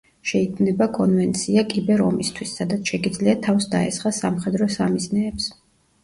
შეიქმნება კონვენცია კიბერ-ომისთვის, სადაც შეგიძლია თავს დაესხა სამხედრო სამიზნეებს.